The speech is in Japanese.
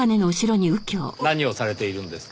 えっ！？何をされているんですか？